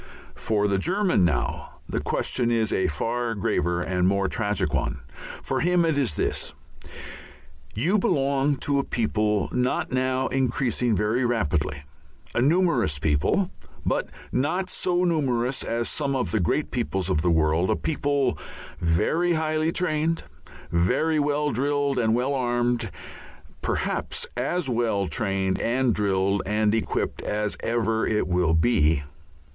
For the German now the question is a far graver and more tragic one. For him it is this: "You belong to a people not now increasing very rapidly, a numerous people, but not so numerous as some of the great peoples of the world, a people very highly trained, very well drilled and well armed, perhaps as well trained and drilled and equipped as ever it will be.